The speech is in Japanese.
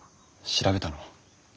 調べたの？